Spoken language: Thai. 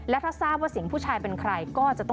และถ้าทราบว่าเสียงผู้ชายเป็นใคร